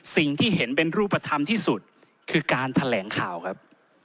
สิ่งที่เห็นเป็นรูปธรรมที่สุดคือการแถลงข่าวครับ